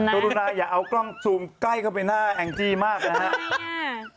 กรุณาอย่าเอากล้องซูมใกล้เข้าไปหน้าแองจี้มากนะครับ